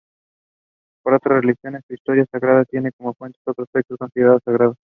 Para otras religiones, su historia sagrada tiene como fuente otros textos considerados sagrados.